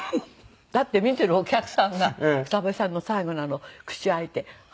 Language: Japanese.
だって見てるお客さんが「草笛さんの最後の口を開いて“ああ”」。